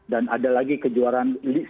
dan ada lagi kejuaraan seperti di indonesia